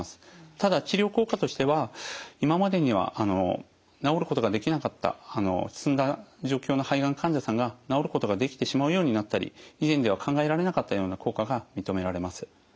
ただ治療効果としては今までには治ることができなかった進んだ状況の肺がん患者さんが治ることができてしまうようになったり以前では考えられなかったような効果が認められます。